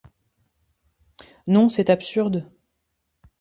Non, c’est absurde…